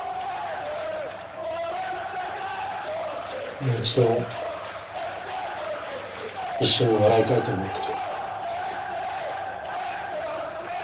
もう一度一緒に笑いたいと思ってるよ。